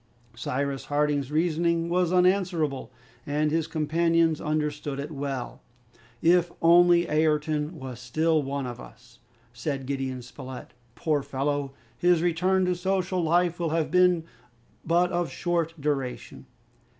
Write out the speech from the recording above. Cyrus Harding's reasoning was unanswerable, and his companions understood it well. "If only Ayrton was still one of us!" said Gideon Spilett. "Poor fellow! his return to social life will have been but of short duration."